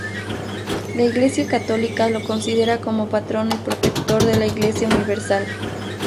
La Iglesia Católica lo considera como patrono y protector de la Iglesia Universal.